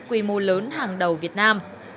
quy mô lớn hàng đầu việt nam